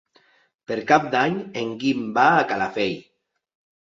Per Cap d'Any en Guim va a Calafell.